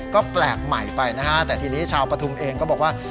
ก็แปลกใหม่ไปนะฮะแต่ทีนี้ชาวปฐุมเองก็บอกว่า